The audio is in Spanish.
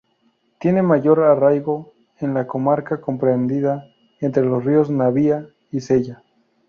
Tiene mayor arraigo en la comarca comprendida entre los ríos Navia y Sella.